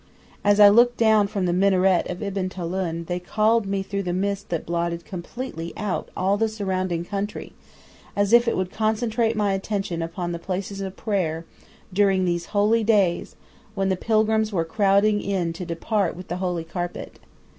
As I looked down from the minaret of Ibn Tulun, they called me through the mist that blotted completely out all the surrounding country, as if it would concentrate my attention upon the places of prayer during these holy days when the pilgrims were crowding in to depart with the Holy Carpet.